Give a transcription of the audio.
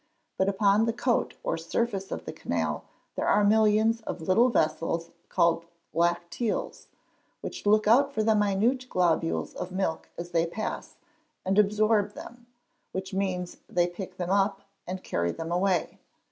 But upon the coat or surface of the canal there are millions of little vessels called lacteals, which look out for the minute globules of milk as they pass, and absorb them, which means that they pick them up, and carry them away.